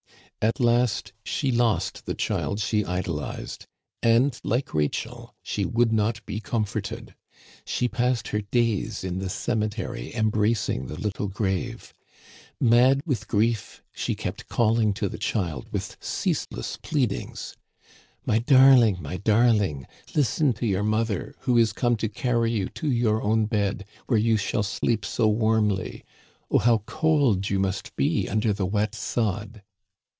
" At last she lost the child she idolized ; and, like Rachel, she would not be comforted. She passed her days in the cemetery embracing the little grave. Mad with grief, she kept calling to the child with ceaseless pleadings :' My darling ! my darling ! listen to your mother, who is come to carry you to your own bed, where you shall sleep so warmly ! Oh, how cold you must be un der the wet sod